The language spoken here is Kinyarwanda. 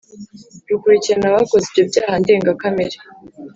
rukurikirana abakoze ibyo byaha ndengakamere?